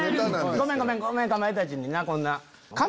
ごめんごめんかまいたちになこんな。